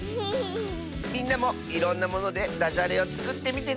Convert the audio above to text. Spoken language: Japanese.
みんなもいろんなものでだじゃれをつくってみてね！